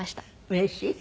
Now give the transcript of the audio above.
うれしい？